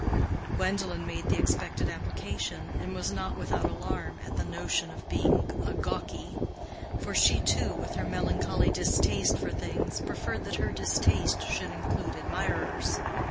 Gwendolen made the expected application, and was not without alarm at the notion of being a gawky. For she, too, with her melancholy distaste for things, preferred that her distaste should include admirers.